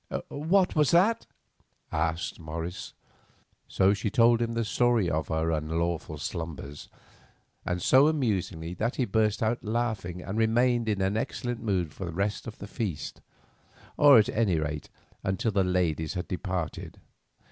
"What was that?" asked Morris. So she told him the story of her unlawful slumbers, and so amusingly that he burst out laughing and remained in an excellent mood for the rest of the feast, or at any rate until the ladies had departed.